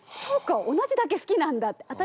そうか同じだけ好きなんだって。